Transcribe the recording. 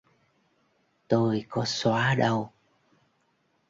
Tôi có xóa đâu